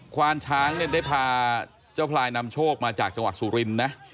ควานช้างเนี่ยได้พาเจ้าพลายนำโชคมาจากจังหวัดสุรินทร์นะ